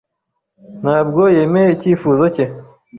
Ntabwo yemeye icyifuzo cye.